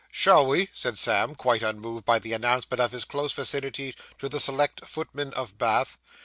'Shall we?' said Sam, quite unmoved by the announcement of his close vicinity to the select footmen of Bath.